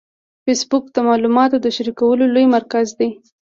فېسبوک د معلوماتو د شریکولو لوی مرکز دی